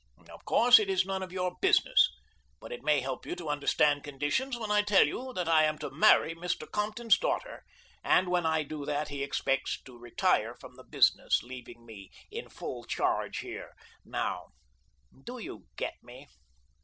Of course, it is none of your business, but it may help you to understand conditions when I tell you that I am to marry Mr. Compton's daughter, and when I do that he expects to retire from business, leaving me in full charge here. Now, do you get me?"